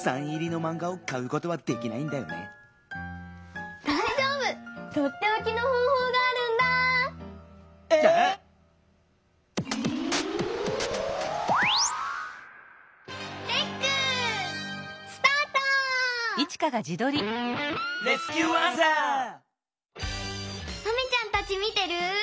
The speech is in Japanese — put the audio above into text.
マミちゃんたちみてる？